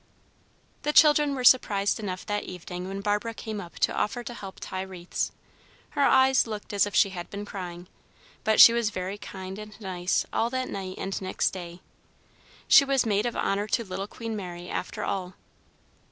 The children were surprised enough that evening when Barbara came up to offer to help tie wreaths. Her eyes looked as if she had been crying, but she was very kind and nice all that night and next day. She was maid of honor to little Queen Mary, after all.